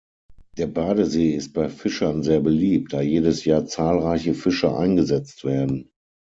Der Badesee ist bei Fischern sehr beliebt, da jedes Jahr zahlreiche Fische eingesetzt werden.